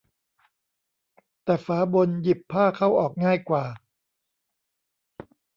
แต่ฝาบนหยิบผ้าเข้าออกง่ายกว่า